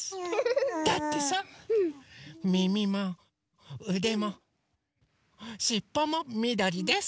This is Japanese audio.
だってさみみもうでもしっぽもみどりです。